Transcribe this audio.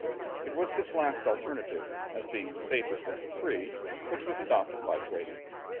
It was this last alternative, as being the safest of the three, which was adopted by Drake.